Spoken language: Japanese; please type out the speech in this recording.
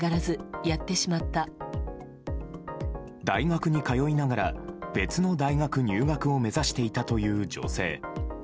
大学に通いながら別の大学入学を目指していたという女性。